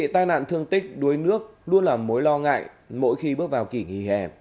tai nạn thương tích đuối nước luôn là mối lo ngại mỗi khi bước vào kỷ nghỉ hè